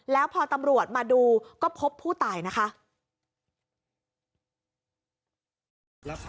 แล้วพอตำรวจมาดูก็พบผู้ตายนะคะ